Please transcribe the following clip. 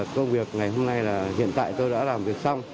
công việc ngày hôm nay là hiện tại tôi đã làm việc xong